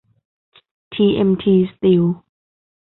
ทีเอ็มที สตีล